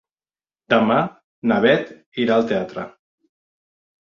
Demà na Bet irà al teatre.